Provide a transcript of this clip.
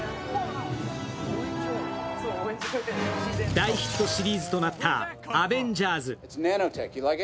大ヒットシリーズとなった「アベンジャーズ」。